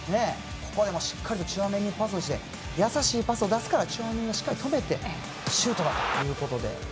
しっかりとチュアメニにパスをして優しいパスを出すからチュアメニがしっかり止めてシュートということで。